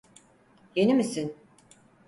Yeni misin?